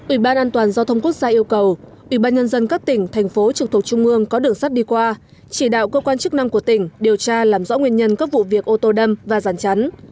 ubndqc yêu cầu ubnd các tỉnh thành phố trực thuộc trung ương có đường sắt đi qua chỉ đạo cơ quan chức năng của tỉnh điều tra làm rõ nguyên nhân các vụ việc ô tô đâm và giàn chắn